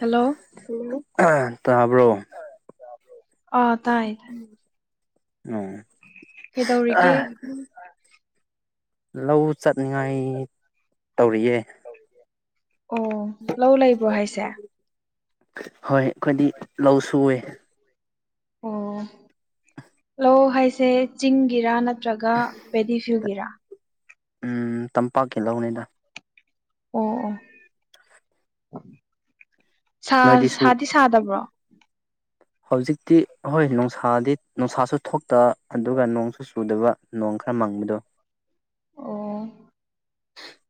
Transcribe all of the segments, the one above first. hello ꯇꯕ꯭ꯔꯣ ꯑ ꯇꯥꯏ ꯇꯥꯏꯌꯦ ꯎꯝ ꯀꯩꯗꯧꯔꯤꯒꯦ ꯂꯧ ꯆꯠꯅꯤꯡꯉꯥꯏ ꯇꯧꯔꯤꯌꯦ ꯑꯣ ꯂꯧ ꯂꯩꯕ꯭ꯔꯣ ꯍꯥꯏꯁꯦ ꯍꯣꯏ ꯑꯩꯈꯣꯏꯗꯤ ꯂꯧ ꯁꯨꯏꯌꯦ ꯑꯣ ꯂꯧ ꯍꯥꯏꯁꯦ ꯆꯤꯡꯒꯤꯔꯥ ꯅꯠ__ ꯇ꯭ꯔꯒ ꯄꯦꯗꯤ ꯐꯤꯜꯒꯤꯔꯥ ꯎꯝ ꯇꯝꯄꯥꯛꯀꯤ ꯂꯧꯅꯤꯗ ꯑꯣ ꯑꯣ ꯁꯥ ꯅꯣꯏꯗꯤꯁꯨ ꯁꯥꯗꯤ ꯁꯥꯗꯕ꯭ꯔꯣ ꯍꯧꯖꯤꯛꯇꯤ ꯍꯣꯏ ꯅꯨꯡꯁꯥꯗꯤ ꯅꯨꯡꯁꯥꯁꯨ ꯊꯣꯛꯇꯕ ꯑꯗꯨꯒ ꯅꯣꯡꯁꯨ ꯆꯨꯗꯕ ꯅꯣꯡ ꯈꯔ ꯃꯥꯡꯕꯗꯣ ꯑꯣ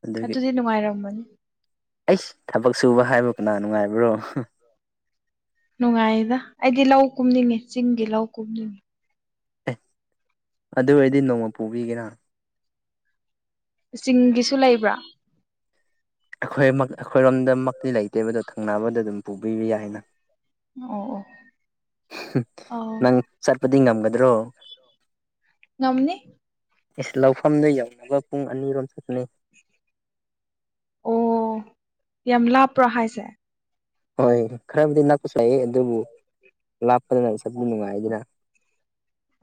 ꯑꯗꯨꯒꯤ ꯑꯗꯨꯗꯤ ꯅꯨꯡꯉꯥꯏꯔꯝꯃꯅꯤ ꯑꯩꯁ ꯊꯕꯛ ꯁꯨꯕ ꯍꯥꯏꯕ ꯀꯅꯥ ꯅꯨꯡꯉꯥꯏꯕ꯭ꯔꯣ [unintelligible] ꯅꯨꯡꯉꯥꯏꯌꯦꯗ ꯑꯩꯗꯤ ꯂꯧ ꯀꯨꯝꯅꯤꯡꯉꯦ ꯆꯤꯡꯒꯤ ꯂꯧ ꯀꯨꯝꯅꯤꯡꯉꯦ ꯑꯦꯍ ꯑꯗꯨ ꯑꯣꯏꯔꯗꯤ ꯅꯣꯡꯃ ꯄꯨꯕꯤꯒꯦꯅ ꯆꯤꯡꯒꯤꯁꯨ ꯂꯩꯕ꯭ꯔꯣ ꯑꯩꯈꯣꯏ ꯑꯃꯛ ꯑꯩꯈꯣꯏꯔꯣꯝꯗꯃꯛꯇꯤ ꯂꯩꯇꯦꯕꯗꯣ ꯊꯪꯅꯕꯗ ꯑꯗꯨꯝ ꯄꯨꯕꯤꯕ ꯌꯥꯏꯅ ꯑꯣ ꯑꯣ [unintelligible] ꯑꯥꯎ ꯅꯪ ꯆꯠꯄꯗꯤ ꯉꯝꯒꯗ꯭ꯔꯣ ꯉꯝꯅꯤ ꯏꯁ ꯂꯧꯐꯝꯗꯨ ꯌꯧꯅꯕ ꯄꯨꯡ ꯑꯅꯤꯔꯣꯝ ꯆꯠꯀꯅꯤ ꯑꯣ ꯌꯥꯝ ꯂꯥꯞꯄ꯭ꯔꯣ ꯍꯥꯏꯁꯦ ꯍꯣꯏ ꯈꯔꯕꯨꯗꯤ ꯅꯛꯄꯁꯨ ꯂꯩꯌꯦ ꯑꯗꯨꯕꯨ ꯂꯥꯞꯄ [unintelligible] ꯑꯗꯨꯅ ꯅꯨꯡꯉꯥꯏꯌꯦꯗꯅ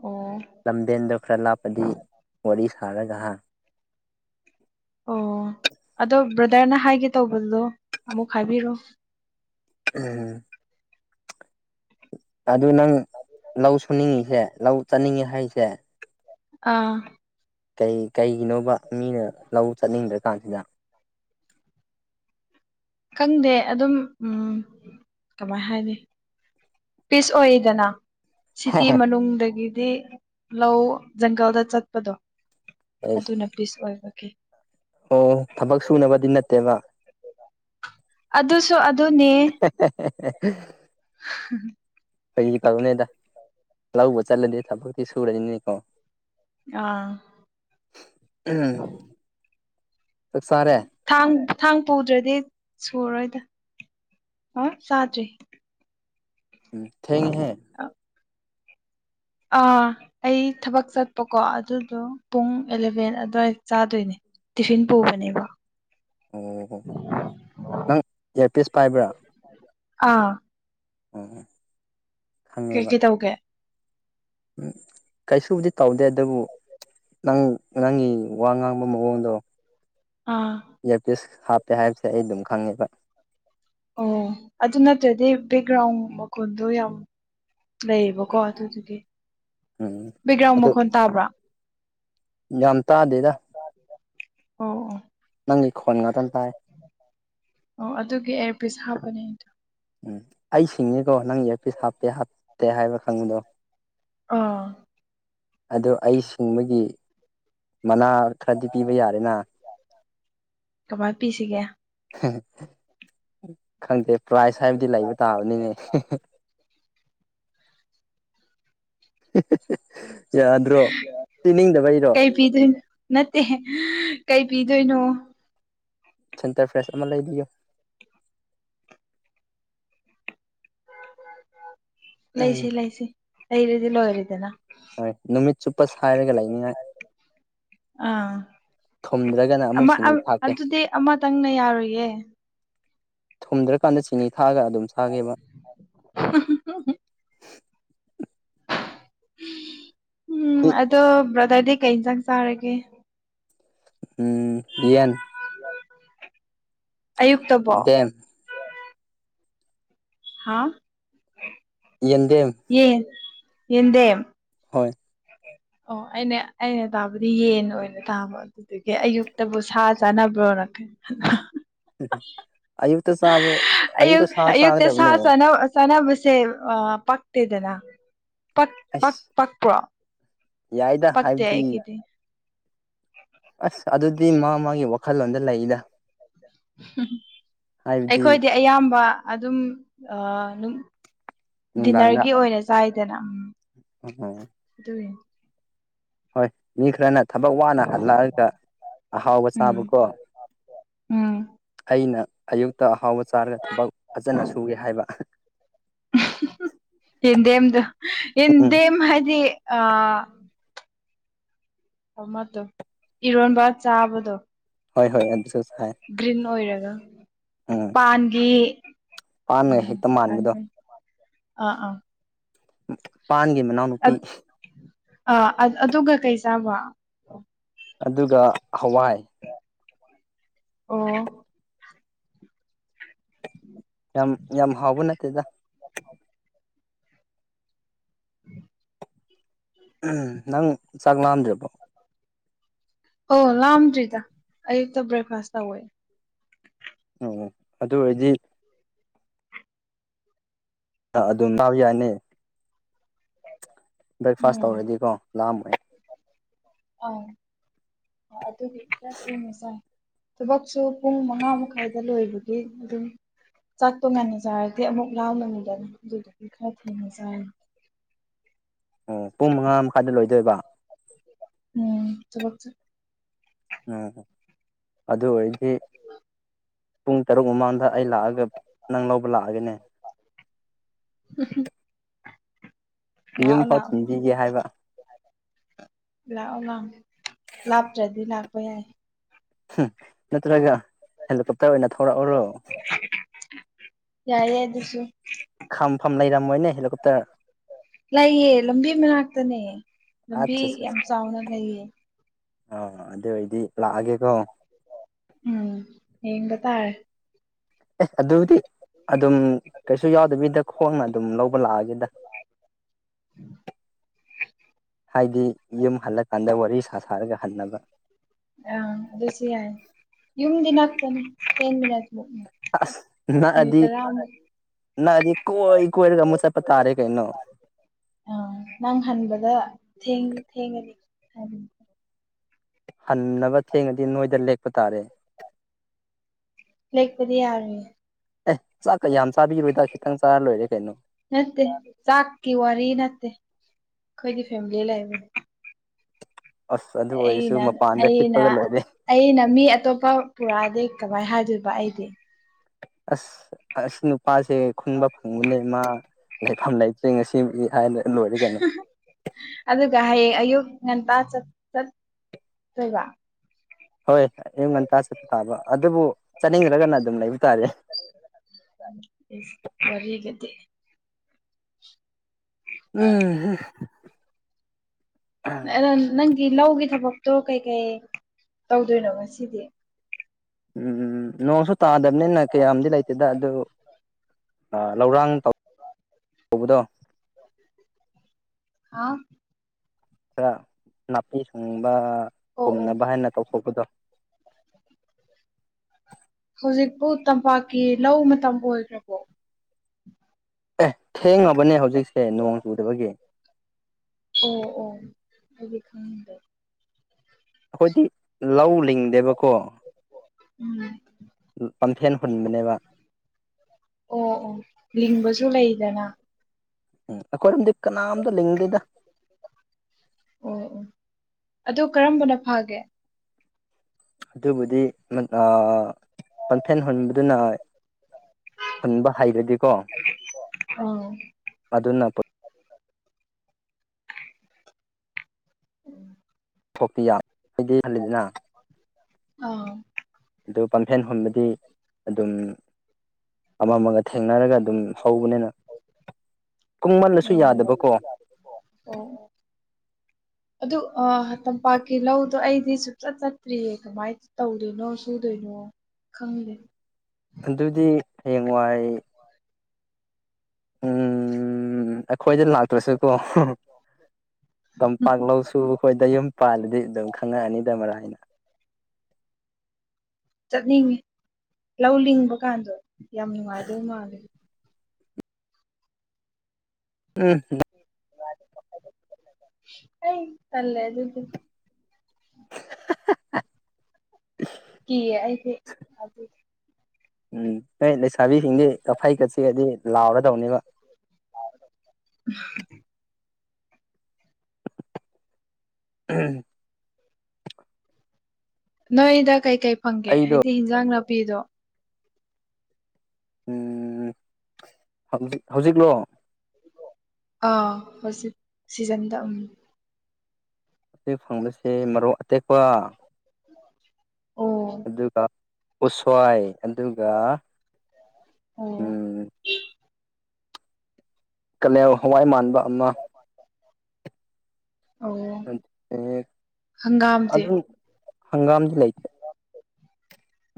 ꯑꯣ ꯂꯝꯕꯦꯟꯗꯣ ꯈꯔ ꯂꯥꯞꯄꯗꯤ ꯋꯥꯔꯤ ꯁꯥꯔꯒ ꯍꯥ ꯑꯣ ꯑꯗꯣ ꯕ꯭ꯔꯗꯔꯅ ꯍꯥꯏꯒꯦ ꯇꯧꯕꯗꯣ ꯑꯃꯨꯛ ꯍꯥꯏꯕꯤꯔꯣ [unintelligible] ꯑꯗꯨ ꯅꯪ ꯂꯧ ꯁꯨꯅꯤꯡꯉꯤꯁꯦ ꯂꯧ ꯆꯠꯅꯤꯡꯉꯦ ꯍꯥꯏꯁꯦ ꯑꯥ ꯀꯩ ꯀꯩꯒꯤꯅꯣꯕ ꯃꯤꯅ ꯂꯧ ꯆꯠꯅꯤꯡꯗ꯭ꯔꯀꯥꯟꯁꯤꯗ ꯈꯪꯗꯦ ꯑꯗꯨꯝ ꯎꯝ ꯀꯃꯥꯏ ꯍꯥꯏꯅꯤ ꯄꯤꯁ ꯑꯣꯏꯌꯦꯗꯅ ꯁꯤꯇꯤ ꯃꯅꯨꯡꯗꯒꯤꯗꯤ ꯂꯧ ꯖꯪꯒꯜꯗ ꯆꯠꯄꯗꯣ ꯑꯩꯁ ꯑꯗꯨꯅ ꯄꯤꯁ ꯑꯣꯏꯕꯒꯤ ꯑꯣ ꯊꯕꯛ ꯁꯨꯅꯕꯗꯤ ꯅꯠꯇꯦꯕ ꯑꯗꯨꯁꯨ ꯑꯗꯨꯅꯦ [unintelligible] [unintelligible] ꯐꯒꯤ ꯇꯧꯕꯅꯦꯗ ꯂꯧꯕꯨ ꯆꯠꯂꯗꯤ ꯊꯕꯛꯇꯤ ꯁꯨꯔꯅꯤꯅꯦꯀꯣ ꯑꯥ [unintelligible] ꯆꯥꯛ ꯆꯥꯔꯦ ꯊꯥꯡ ꯊꯥꯡ ꯄꯨꯗ꯭ꯔꯗꯤ ꯁꯨꯔꯣꯏꯗ ꯑ ꯆꯥꯗ꯭ꯔꯤ ꯎꯝ ꯊꯦꯡꯉꯦꯍꯦ ꯑꯛ ꯑꯥ ꯑꯩ ꯊꯕꯛ ꯆꯠꯄꯀꯣ ꯑꯗꯨꯗꯣ ꯄꯨꯡ ꯑꯦꯂꯚꯦꯟ ꯑꯗꯨꯋꯥꯏ ꯆꯥꯗꯣꯏꯅꯦ ꯇꯤꯐꯤꯟ ꯄꯨꯕꯅꯦꯕꯣ ꯑꯣ ꯑꯣꯍꯣ ꯅꯪ ꯏꯌꯥꯔꯄꯤꯁ ꯄꯥꯏꯕ꯭ꯔꯣ ꯑꯥ [unintelligible] ꯀꯩ ꯈꯪꯉꯦꯕ ꯀꯩ ꯇꯧꯒꯦ ꯎꯝ ꯀꯩꯁꯨꯕꯨꯗꯤ ꯇꯧꯗꯦ ꯑꯗꯨꯕꯨ ꯅꯪ ꯅꯪꯒꯤ ꯋꯥ ꯉꯥꯡꯕ ꯃꯑꯣꯡꯗꯣ ꯑꯥ ꯏꯌꯥꯔꯄꯤꯁ ꯍꯥꯞꯄꯦ ꯍꯥꯏꯕꯁꯦ ꯑꯩ ꯑꯗꯨꯝ ꯈꯪꯉꯦꯕ ꯑꯣ ꯑꯗꯨ ꯅꯠꯇ꯭ꯔꯗꯤ ꯕꯦꯛꯒ꯭ꯔꯥꯎꯟ ꯃꯈꯣꯟꯗꯣ ꯌꯥꯝ ꯂꯩꯌꯦꯕꯀꯣ ꯑꯗꯨꯗꯨꯒꯤ ꯎꯝ ꯕꯦꯛꯒ꯭ꯔꯥꯎꯟ ꯑꯗꯨ ꯃꯈꯣꯟ ꯇꯥꯕ꯭ꯔꯣ ꯌꯥꯝ ꯇꯥꯗꯦꯗ ꯇꯥꯗꯦꯗ ꯑꯣ ꯑꯣ ꯅꯪꯒꯤ ꯈꯣꯟ ꯉꯥꯛꯇꯪ ꯇꯥꯏ ꯑꯣ ꯑꯗꯨꯒꯤ ꯑꯦꯌꯥꯔꯄꯤꯁ ꯍꯥꯞꯄꯅꯦ ꯑꯩꯗꯣ ꯎꯝ ꯑꯩ ꯁꯤꯡꯉꯦꯀꯣ ꯅꯪ ꯏꯌꯥꯔꯄꯤꯁ ꯍꯥꯞꯇꯦ ꯍꯥꯞꯇꯦ ꯍꯥꯏꯕ ꯈꯪꯕꯗꯣ ꯑꯥ ꯑꯗꯣ ꯑꯩ ꯁꯤꯡꯕꯒꯤ ꯃꯅꯥ ꯈꯔꯗꯤ ꯄꯤꯕ ꯌꯥꯔꯦꯅ ꯀꯃꯥꯏ ꯄꯤꯁꯤꯒꯦ ꯍꯦꯍꯦ ꯈꯪꯗꯦ ꯄ꯭ꯔꯥꯏꯖ ꯍꯥꯏꯕꯗꯤ ꯂꯩꯕ ꯇꯥꯕꯅꯤꯅꯦ ꯍꯦ ꯍꯦ ꯍꯦ ꯌꯥꯗ꯭ꯔꯣ ꯄꯤꯅꯤꯡꯗꯕꯩꯔꯣ ꯄꯤꯗꯣꯏ ꯅꯠꯇꯦꯍꯦ ꯀꯩ ꯄꯤꯗꯣꯏꯅꯣ ꯁꯦꯟꯇꯔ ꯐ꯭ꯔꯦꯁ ꯑꯃ ꯂꯩꯕꯤꯌꯣ ꯂꯩꯁꯤ ꯎꯝ ꯂꯩꯁꯤ ꯂꯩꯔꯗꯤ ꯂꯣꯏꯔꯦꯗꯅ ꯍꯣꯏ ꯅꯨꯃꯤꯠ ꯆꯨꯞꯄ ꯁꯥꯏꯔꯒ ꯂꯩꯅꯤꯉꯥꯏ ꯑꯥ ꯊꯨꯝꯗ꯭ꯔꯒꯅ ꯑꯃꯨꯛ ꯑꯃ ꯑ ꯆꯤꯅꯤ ꯊꯥꯛꯀꯦ ꯑꯗꯨꯗꯤ ꯑꯃꯇꯪꯅ ꯌꯥꯔꯣꯏꯌꯦ ꯊꯨꯝꯗ꯭ꯔꯀꯥꯟꯗ ꯆꯤꯅꯤ ꯊꯥꯛꯑꯒ ꯑꯗꯨꯝ ꯁꯥꯏꯒꯦꯕ ꯍꯝ ꯍꯝ ꯎꯝ ꯑꯗꯣ ꯕ꯭ꯔꯗꯔꯗꯤ ꯀꯩ ꯏꯟꯖꯥꯡ ꯆꯥꯔꯒꯦ ꯎꯝ ꯌꯦꯟ ꯑꯌꯨꯛꯇꯕꯣ ꯗꯦꯝ ꯍꯥꯥ ꯌꯦꯟꯗꯦꯝ ꯌꯦꯟ ꯌꯦꯟꯗꯦꯝ ꯍꯣꯏ ꯑꯣ ꯑꯩꯅ ꯑꯩꯅ ꯇꯥꯕꯗꯤ ꯌꯦꯟ ꯑꯣꯏꯅ ꯇꯥꯕ ꯑꯗꯨꯒꯤ ꯑꯩꯁꯨ ꯑꯌꯨꯛꯇꯕꯨ ꯁꯥ ꯆꯥꯅꯕ꯭ꯔꯣꯅ ꯈꯟꯕ ꯑꯌꯨꯛꯇ ꯆꯥꯕ ꯑꯌꯨꯛꯇ ꯑꯌꯨꯛ ꯁꯥ ꯑꯌꯨꯛꯇ ꯆꯒꯥꯗꯕꯅꯦ ꯁꯥ ꯆꯥꯅꯕꯁꯦ ꯄꯛꯇꯦꯗꯅ ꯄꯛ ꯄꯛ ꯑꯁ ꯄꯛꯄ꯭ꯔꯣ ꯌꯥꯏꯗ ꯄꯛꯇꯦ ꯍꯥꯏꯕꯗꯤ ꯑꯩꯒꯤꯗꯤ ꯑꯁ ꯑꯗꯨꯗꯤ ꯃꯥ ꯃꯥꯒꯤ ꯋꯥꯈꯜꯂꯣꯟꯗ ꯂꯩꯗ ꯍꯥꯏꯕꯗꯤ ꯑꯩꯈꯣꯏꯗꯤ ꯑꯌꯥꯝꯕ ꯑꯗꯨꯝ ꯑꯥ ꯅꯨꯡ ꯅꯨꯡꯗꯥꯡꯗ ꯗꯤꯟꯅꯔꯒꯤ ꯑꯣꯏꯅ ꯆꯥꯏꯗꯅ ꯎꯝ ꯎꯝ ꯑꯗꯨꯒꯤꯅꯤ ꯍꯣꯏ ꯃꯤ ꯈꯔꯅ ꯊꯕꯛ ꯋꯥꯅ ꯍꯜꯂꯛꯑꯒ ꯑꯍꯥꯎꯕ ꯎꯝ ꯆꯥꯕꯀꯣ ꯎꯝ ꯑꯩꯅ ꯑꯌꯨꯛꯇ ꯑꯍꯥꯎꯕ ꯆꯥꯔꯒ ꯊꯕꯛ ꯐꯖꯅ ꯁꯨꯒꯦ ꯍꯥꯏꯕ ꯌꯦꯟꯗꯦꯝ ꯎꯝ ꯌꯦꯟꯗꯦꯝ ꯍꯥꯏꯗꯤ ꯑ ꯑꯃꯗꯣ ꯏꯔꯣꯟꯕ ꯆꯥꯕꯗꯣ ꯍꯣꯏ ꯍꯣꯏ ꯑꯗꯨꯁꯨ ꯁꯥꯏ ꯒ꯭ꯔꯤꯟ ꯑꯣꯏꯔꯒ ꯎꯝ ꯄꯥꯟꯒꯤ ꯄꯥꯟꯒ ꯎꯝ ꯍꯦꯛꯇ ꯃꯥꯟꯕꯗꯣ ꯑꯥ ꯑꯥ ꯄꯥꯟꯒꯤ ꯃꯅꯥꯎ ꯑꯠ ꯑꯥ ꯑꯗꯨꯒ ꯀꯩ ꯆꯥꯕ ꯑꯗꯨꯒ ꯍꯋꯥꯏ ꯑꯣ ꯌꯥꯝ ꯌꯥꯝ ꯍꯥꯎꯕ ꯅꯠꯇꯦꯗ [unintelligible] [inaudible] [unintelligible] [inaudible] [unintelligible] ꯅꯪ ꯆꯥꯛ ꯂꯥꯝꯗ꯭ꯔꯤꯕꯣ ꯑꯣ ꯂꯥꯝꯗ꯭ꯔꯤꯗ ꯑꯌꯨꯛꯇ ꯕ꯭ꯔꯦꯛꯐꯥꯁ ꯇꯧꯋꯦ ꯑꯣ ꯑꯗꯨ ꯑꯣꯏꯗꯤ ꯑꯥ ꯑꯗꯨꯝ ꯇꯥꯕꯥ ꯌꯥꯅꯤ ꯕ꯭ꯔꯦꯛꯐꯥꯁ ꯇꯧꯔꯗꯤꯀꯣ ꯂꯥꯝꯃꯣꯏ ꯑꯪ ꯑꯗꯨꯗꯤ [inaudible] [unintelligible] ꯊꯕꯛꯁꯨ ꯄꯨꯡ ꯃꯉꯥ ꯃꯈꯥꯏꯗ ꯂꯣꯏꯕꯒꯤ ꯑꯗꯨꯝ ꯆꯥꯛꯇꯣ ꯉꯥꯟꯅꯥ ꯆꯥꯔꯗꯤ ꯑꯃꯨꯛ ꯂꯥꯝꯃꯅꯤꯗꯅ ꯑꯗꯨꯗꯨꯗꯤ ꯈꯔ ꯊꯦꯡꯅꯥ ꯆꯥꯔꯅꯤ ꯑꯣ ꯄꯨꯡ ꯃꯉꯥ ꯃꯈꯥꯏꯗ ꯂꯣꯏꯗꯣꯏꯕ ꯎꯝ ꯊꯕꯛ ꯆꯠ ꯎꯝ ꯑꯗꯨ ꯑꯣꯏꯔꯗꯤ ꯄꯨꯡ ꯇꯔꯨꯛ ꯃꯃꯥꯡꯗ ꯑꯩ ꯂꯥꯛꯑꯒ ꯅꯪ ꯂꯧꯕ ꯂꯥꯛꯑꯒꯅꯦ [unintelligible] ꯂꯥꯛꯑꯣ ꯌꯨꯝ ꯐꯥꯎ ꯂꯥꯛꯑꯣ ꯊꯤꯟꯕꯤꯒꯦ ꯍꯥꯏꯕ ꯂꯥꯛꯑꯣ ꯂꯥꯛꯑꯣ ꯂꯥꯞꯇ꯭ꯔꯗꯤ ꯂꯥꯛꯄ ꯌꯥꯏ [unintelligible] ꯅꯠꯇ꯭ꯔꯒ ꯍꯦꯂꯤꯀꯣꯞꯇꯔ ꯑꯣꯏꯅ ꯊꯧꯔꯛꯎꯔꯣ ꯌꯥꯏꯌꯦ ꯑꯗꯨꯁꯨ ꯈꯥꯝꯐꯝ ꯂꯩꯔꯝꯃꯣꯏꯅꯦ ꯍꯦꯂꯤꯀꯣꯞꯇꯔ ꯂꯩꯌꯦ ꯂꯝꯕꯤ ꯃꯅꯥꯛꯇꯅꯦ ꯂꯝꯕꯤ ꯑꯠꯆꯥ ꯌꯥꯝ ꯆꯥꯎꯅ ꯂꯩꯌꯦ ꯑꯥ ꯑꯗꯨ ꯑꯣꯏꯗꯤ ꯂꯥꯛꯑꯒꯦꯀꯣ ꯎꯝ ꯌꯦꯡꯕ ꯇꯥꯔꯦ ꯑꯦ ꯑꯗꯨꯗꯤ ꯑꯗꯨꯝ ꯀꯩꯁꯨ ꯌꯥꯎꯗꯕꯤꯗ ꯈꯣꯡꯅ ꯑꯗꯨꯝ ꯂꯧꯕ ꯂꯥꯛꯑꯒꯦꯗ [unintelligible] [inaudible] ꯍꯥꯏꯗꯤ ꯌꯨꯝ ꯍꯜꯂꯀꯥꯟꯗ ꯋꯥꯔꯤ ꯁꯥ ꯁꯥꯔꯒ ꯍꯟꯅꯕ [unintelligible] ꯑꯗꯨꯁꯨ ꯌꯥꯏ ꯌꯨꯝꯗꯤ ꯅꯛꯀꯅꯤ ꯇꯦꯟ ꯃꯤꯅꯠ ꯃꯨꯛꯅꯤ ꯑꯁ ꯃꯤꯅꯤꯠ ꯅꯛꯑꯗꯤ ꯇꯔꯥꯃꯨꯛ ꯅꯛꯑꯗꯤ ꯀꯣꯏ ꯀꯣꯏꯔꯒ ꯃꯨꯊꯠꯄ ꯇꯥꯔꯦ ꯀꯩꯅꯣ ꯑꯥ ꯅꯪ ꯍꯟꯕꯗ ꯊꯦꯡ ꯊꯦꯡꯉꯅꯤ ꯍꯥꯏꯕꯅꯤ ꯍꯟꯅꯕ ꯊꯦꯡꯉꯗꯤ ꯅꯣꯏꯗ ꯂꯦꯛꯄ ꯇꯥꯔꯦ ꯂꯦꯛꯄꯗꯤ ꯌꯥꯔꯣꯏ ꯑꯦ ꯆꯥꯛꯀ ꯌꯥꯝ ꯆꯥꯕꯤꯔꯣꯏꯗ ꯈꯤꯇꯪ ꯆꯥꯔ ꯂꯣꯏꯔꯦ ꯀꯩꯅꯣ ꯅꯠꯇꯦ ꯆꯥꯛꯀꯤ ꯋꯥꯔꯤ ꯅꯠꯇꯦ ꯑꯩꯈꯣꯏꯒꯤ ꯐꯦꯃꯤꯂꯤ ꯂꯩꯕꯅꯤ ꯑꯁ ꯑꯗꯨ ꯑꯣꯏꯔꯁꯨ ꯑꯩꯅ ꯃꯄꯥꯟꯗ ꯑꯩꯅ ꯍꯤꯞꯄꯒ ꯂꯣꯏꯔꯦ ꯑꯩꯅ ꯃꯤ ꯑꯇꯣꯞꯄ ꯄꯨꯔꯛꯑꯗꯤ ꯀꯃꯥꯏ ꯍꯥꯏꯗꯣꯏꯕ ꯑꯩꯗꯤ ꯑꯁ ꯑꯁꯤ ꯅꯨꯄꯥꯁꯦ ꯈꯨꯟꯕ ꯐꯪꯕꯅꯦ ꯃꯥ ꯂꯩꯐꯝ ꯂꯩꯇ꯭ꯔꯦ ꯉꯁꯤꯒꯤ ꯍꯥꯏꯅ ꯂꯣꯏꯔꯦ ꯀꯩꯅꯣ ꯑꯗꯨꯒ ꯍꯌꯦꯡ ꯑꯌꯨꯛ ꯉꯟꯇꯥ ꯆꯠ ꯆꯠꯇꯣꯏꯕ ꯍꯣꯏ ꯑꯌꯨꯛ ꯉꯟꯇꯥ ꯆꯠꯄ ꯇꯥꯕ ꯑꯗꯨꯕꯨ ꯆꯠꯅꯤꯡꯗ꯭ꯔꯒꯅ ꯑꯗꯨꯝ ꯂꯩꯕ ꯇꯥꯔꯦ ꯋꯥꯔꯤꯒꯗꯤ ꯎꯝ ꯑꯗ ꯅꯪꯒꯤ ꯂꯧꯒꯤ ꯊꯕꯛꯇꯣ ꯀꯩꯀꯩ ꯇꯧꯗꯣꯏꯅꯣ ꯉꯁꯤꯗꯤ ꯎꯝ ꯅꯣꯡꯁꯨ ꯇꯥꯗꯕꯅꯤꯅ ꯀꯌꯥꯝꯗꯤ ꯂꯩꯇꯦꯗ ꯑꯗꯨ ꯂꯧꯔꯥꯡ ꯇꯧ ꯇꯧꯕꯗꯣ [inaudible] ꯍꯥꯎ ꯈꯔ ꯅꯥꯄꯤ ꯁꯨꯡꯕ ꯑꯣ ꯑꯣ ꯄꯨꯝꯅꯕ ꯍꯥꯏꯅ ꯇꯧꯊꯣꯛꯄꯗꯣ ꯍꯧꯖꯤꯛꯄꯨ ꯇꯝꯄꯥꯛꯀꯤ ꯂꯧ ꯃꯇꯝ ꯑꯣꯏꯈ꯭ꯔꯕꯣ ꯑꯦ ꯊꯦꯡꯉꯕꯅꯦ ꯍꯧꯖꯤꯛꯁꯦ ꯅꯣꯡ ꯆꯨꯗꯕꯒꯤ ꯑꯣ ꯑꯣ ꯑꯩꯗꯤ ꯈꯪꯗꯦ ꯑꯩꯈꯣꯏꯗꯤ ꯂꯧ ꯂꯤꯡꯗꯦꯕꯀꯣ ꯎꯝ ꯄꯥꯝꯐꯦꯟ ꯍꯨꯟꯕꯅꯦꯕ ꯑꯣ ꯑꯣ ꯂꯤꯡꯕꯁꯨ ꯂꯩꯗꯅ ꯎꯝ ꯑꯩꯈꯣꯏꯔꯝꯗꯤ ꯀꯅꯥꯝꯇ ꯂꯤꯡꯗꯦꯗ ꯑꯣ ꯑꯣ ꯑꯗꯣ ꯀꯔꯝꯕꯅ ꯐꯒꯦ ꯑꯗꯨꯕꯨꯗꯤ ꯄꯣꯟꯐꯦꯟ ꯍꯨꯟꯕꯗꯨꯅ ꯍꯨꯟꯕ ꯍꯩꯔꯗꯤꯀꯣ ꯑꯥꯎ ꯑꯗꯨꯅ ꯎꯝ [inaudible] ꯊꯣꯛꯄꯤꯌꯥꯗꯤ ꯈꯜꯂꯤꯗꯅ [unintelligible] ꯑꯥ ꯑꯗꯨ ꯄꯥꯝꯐꯦꯟ ꯍꯨꯟꯕꯗꯤ ꯑꯗꯨꯝ ꯑꯃ ꯑꯃꯒ ꯊꯦꯡꯅꯔꯒ ꯑꯗꯨꯝ ꯍꯧꯕꯅꯤꯅ ꯀꯨꯡꯃꯜꯂꯁꯨ ꯑꯣ ꯑꯣ ꯌꯥꯗꯕꯀꯣ ꯑꯣ ꯑꯗꯨ ꯑ ꯇꯝꯄꯥꯛꯀꯤ ꯂꯧꯗꯣ ꯑꯩꯗꯤ ꯁꯨꯡꯆꯠ ꯆꯠꯇ꯭ꯔꯤꯌꯦ ꯀꯃꯥꯏꯅ ꯇꯧꯗꯣꯏꯅꯣ ꯁꯨꯗꯣꯏꯅꯣ ꯈꯪꯗꯦ ꯑꯗꯨꯗꯤ ꯍꯌꯦꯡꯋꯥꯏ ꯎꯝ ꯑꯩꯈꯣꯏꯗ ꯂꯥꯛꯇ꯭ꯔꯁꯨꯀꯣ ꯇꯝꯄꯥꯛ ꯂꯧꯁꯨꯕ ꯈꯣꯏꯗ ꯌꯨꯝ ꯄꯥꯜꯂꯗꯤ ꯑꯗꯨꯝ ꯈꯪꯉꯛꯑꯅꯤꯗ ꯃꯔꯥꯏꯅ ꯆꯠꯅꯤꯡꯉꯤ ꯂꯧ ꯂꯤꯡꯕ ꯀꯥꯟꯗꯣ ꯌꯥꯝ ꯅꯨꯡꯉꯥꯏꯗꯣꯏ ꯃꯥꯜꯂꯦ ꯎꯝ ꯑꯩ ꯇꯜꯂꯦ ꯑꯗꯨꯗꯤ ꯀꯤꯌꯦ ꯑꯩꯗꯤ ꯎꯝ ꯅꯣꯏ ꯂꯩꯁꯥꯕꯤꯁꯤꯡꯗꯤ ꯀꯥꯐꯩꯒ ꯆꯤꯛꯑꯗꯤ ꯂꯥꯎꯔꯗꯧꯅꯦꯕ [unintelligible] ꯎꯝ [inaudible] ꯅꯣꯏꯗ ꯀꯩꯀꯩ ꯐꯪꯒꯦ ꯑꯩꯗꯣ ꯍꯥꯏꯗꯤ ꯏꯟꯖꯥꯡ ꯅꯥꯄꯤꯗꯣ ꯎꯝ ꯍꯧꯖꯤꯛ ꯍꯧꯖꯤꯛꯂꯣ ꯑꯥ ꯍꯧꯖꯤꯛ ꯁꯤꯖꯟꯗ ꯎꯝ ꯑꯩꯈꯣꯏ ꯐꯪꯕꯁꯤ ꯃꯔꯣꯛ ꯑꯇꯦꯛꯄ ꯑꯣ ꯑꯗꯨꯒ ꯎꯁ꯭ꯋꯥꯏ ꯑꯗꯨꯒ ꯑꯣ ꯎꯝ ꯀꯥꯂꯦꯜ ꯍꯋꯥꯏ ꯃꯥꯟꯕ ꯑꯃ ꯑꯣ [unintelligible] ꯍꯪꯒꯥꯝꯗꯤ ꯑꯗꯨ ꯍꯪꯒꯥꯝ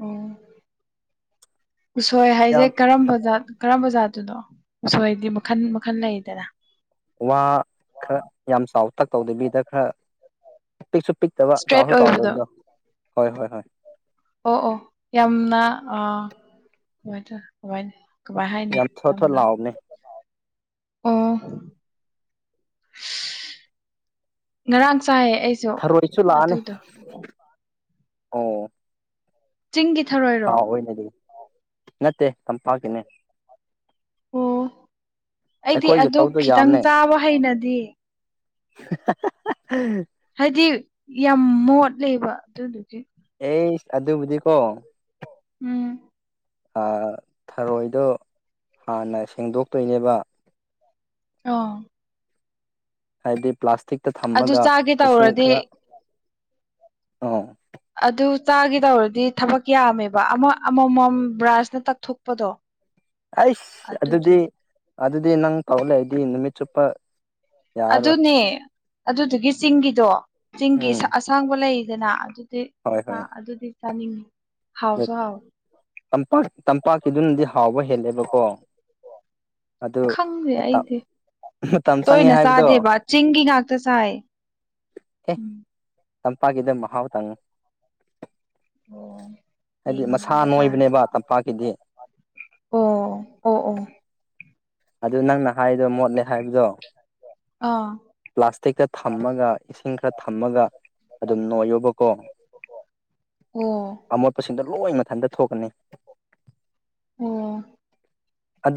ꯑꯣ ꯎꯁꯣꯏ ꯌꯥꯝ ꯍꯥꯏꯖꯩ ꯀꯔꯝꯕꯗ ꯀꯔꯝꯕ ꯖꯥꯇꯨꯅꯣ ꯎꯁꯣꯏꯗꯤ ꯃꯈꯟ ꯃꯈꯟ ꯂꯩꯗꯅ ꯋꯥ ꯈꯔ ꯌꯥꯝ ꯆꯥꯎꯇꯛ ꯇꯧꯗꯕꯤꯗ ꯈꯔ ꯄꯤꯛꯁꯨ ꯄꯤꯛꯇꯕ ꯏꯁꯇ꯭ꯔꯦꯠ ꯆꯥꯎꯁꯨ ꯑꯣꯏꯕꯗꯣ ꯆꯥꯎꯗꯕꯗꯣ ꯍꯣꯏ ꯍꯣꯏ ꯍꯣꯏ ꯑꯣ ꯑꯣ ꯌꯥꯝꯅꯥ ꯑ [unintelligible] ꯀꯃꯥꯏ ꯍꯥꯏꯅꯤ ꯌꯥꯝ ꯊꯣꯠ ꯊꯣꯠ ꯌꯥꯝꯅ ꯂꯥꯎꯕꯅꯦ ꯑꯣ ꯉꯔꯥꯡ ꯆꯥꯏꯌꯦ ꯑꯩꯁꯨ ꯊꯔꯣꯏꯁꯨ ꯂꯥꯛꯑꯅꯤ ꯑꯗꯨꯗꯣ ꯑꯣ ꯆꯤꯡꯒꯤ ꯊꯧꯔꯣꯏ ꯍꯥꯎꯋꯦꯅꯗꯤ ꯅꯠꯇꯦ ꯇꯝꯄꯥꯛꯀꯤꯅꯦ ꯑꯣ ꯑꯩꯗꯤ ꯑꯩꯈꯣꯏꯒꯤ ꯑꯗꯨ ꯂꯧꯗꯣ ꯈꯤꯇꯪ ꯌꯥꯝꯅꯦ ꯆꯥꯕ ꯍꯩꯅꯗꯤ [unintelligible] ꯍꯥꯏꯗꯤ ꯌꯥꯝ ꯃꯣꯠꯂꯦꯕ ꯑꯗꯨꯗꯨꯒꯤ ꯑꯦ ꯑꯗꯨꯕꯨꯗꯤꯀꯣ ꯎꯝ ꯑ ꯊꯔꯣꯏꯗꯣ ꯍꯥꯟꯅ ꯁꯦꯡꯗꯣꯛꯇꯣꯏꯅꯦꯕ ꯑꯣ ꯍꯥꯏꯗꯤ ꯄ꯭ꯂꯥꯁꯇꯤꯛꯇ ꯑꯗꯨ ꯊꯝꯃꯒ ꯆꯥꯒꯦ ꯏꯁꯤꯡ ꯇꯧꯔꯗꯤ ꯈꯔ ꯑꯣ ꯑꯗꯨ ꯆꯥꯒꯗꯧꯔꯗꯤ ꯊꯕꯛ ꯌꯥꯝꯃꯦꯕ ꯑꯃ ꯑꯃꯃꯝ ꯕ꯭ꯔꯥꯟꯁꯅ ꯇꯛꯊꯣꯛꯄꯗꯣ [unintelligible] ꯑꯩꯁ ꯑꯗꯨꯗꯨ ꯑꯗꯨꯗꯤ ꯑꯗꯨꯗꯤ ꯅꯪ ꯇꯧ ꯂꯩꯗꯤ ꯅꯨꯃꯤꯠ ꯆꯨꯞꯄ ꯌꯥꯔꯔꯣꯏ ꯑꯗꯨꯅꯦ ꯑꯗꯨꯗꯨꯒꯤ ꯆꯤꯡꯒꯤꯗꯣ ꯆꯤꯡꯒꯤ ꯎꯝ ꯑꯁꯥꯡꯕ ꯂꯩꯗꯅ ꯑꯗꯨꯗꯤ ꯍꯣꯏ ꯆꯥ ꯍꯣꯏ ꯑꯗꯨꯗꯤ ꯆꯥꯅꯤꯡ ꯍꯥꯎꯁꯨ ꯍꯥꯎ ꯇꯝꯄꯥꯛ ꯇꯝꯄꯥꯛꯀꯤꯗꯨꯅꯗꯤ ꯍꯥꯎꯕ ꯍꯦꯜꯂꯦꯕꯀꯣ ꯑꯗꯨ ꯈꯪꯗꯦ ꯃꯇꯝ ꯑꯩꯗꯤ ꯆꯪꯉꯦ ꯇꯣꯏꯅ ꯍꯥꯏꯕꯗꯣ ꯆꯥꯗꯦꯕ ꯆꯤꯡꯒꯤ ꯉꯥꯛꯇ ꯆꯥꯏ ꯆꯝꯄꯥꯛꯒꯗ ꯃꯍꯥꯎ ꯇꯪ ꯑꯣ ꯍꯥꯏꯗꯤ ꯃꯁꯥ ꯌꯦꯡꯕ ꯇꯥꯔꯦ ꯅꯣꯏꯕꯅꯦꯕ ꯇꯝꯄꯥꯛꯀꯤꯗꯤ ꯑꯣ ꯑꯣ ꯑꯣ ꯑꯗꯨ ꯅꯪꯅ ꯍꯥꯏꯗꯣ ꯃꯣꯠꯂꯦ ꯍꯥꯏꯕꯗꯣ ꯑꯥ ꯄ꯭ꯂꯥꯁꯇꯤꯛꯇ ꯊꯝꯃꯒ ꯏꯁꯤꯡ ꯈꯔ ꯊꯝꯃꯒ ꯑꯗꯨꯝ ꯅꯣꯏꯌꯣꯕꯀꯣ ꯑꯣ ꯑꯃꯣꯠꯄꯁꯤꯡꯗꯣ ꯂꯣꯏ ꯃꯊꯟꯇ ꯊꯣꯛꯀꯅꯤ ꯑꯣ ꯑꯗꯨ